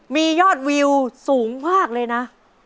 มียอดวิวสูงมากเลยนะ